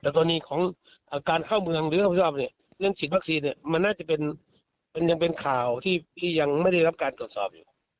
แต่ตัวนี้การเข้าเมืองเฉียบชิดวัคซีนมันน่าจะเป็นข่าวที่ยังไม่ได้รับการกดสอบ